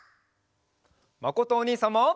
まことおにいさんも。